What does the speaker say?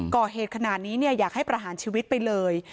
ก่อเหตุขนาดนี้อยากให้ประหารชีวิตไปเลย